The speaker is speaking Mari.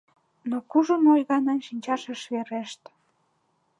Но кужун ойганен шинчаш ыш верешт.